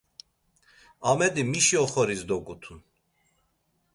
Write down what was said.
Amedi mişi oxoris dogutun?